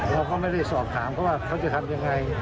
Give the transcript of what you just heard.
เราก็ไม่ได้สอบถามเขาว่าเขาจะทำยังไง